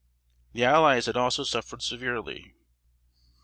The allies had also suffered severely.